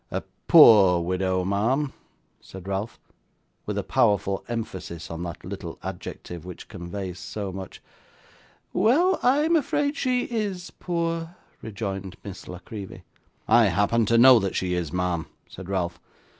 'A POOR widow, ma'am,' said Ralph, with a powerful emphasis on that little adjective which conveys so much. 'Well, I'm afraid she IS poor,' rejoined Miss La Creevy. 'I happen to know that she is, ma'am,' said Ralph.